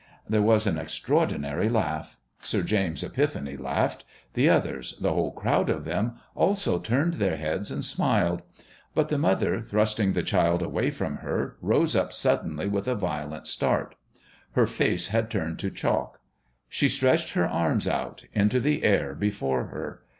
There was an extraordinary laugh. Sir James Epiphany laughed. The others the whole crowd of them also turned their heads and smiled. But the mother, thrusting the child away from her, rose up suddenly with a violent start. Her face had turned to chalk. She stretched her arms out into the air before her.